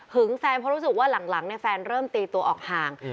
แฟนเพราะรู้สึกว่าหลังแฟนเริ่มตีตัวออกห่าง